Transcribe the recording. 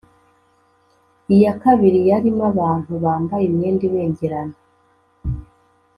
iya kabiri yarimo abantu bambaye imyenda ibengerana